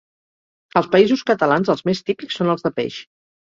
Als Països Catalans els més típics són els de peix.